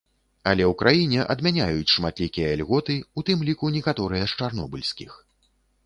Але ў краіне адмяняюць шматлікія льготы, у тым ліку некаторыя з чарнобыльскіх.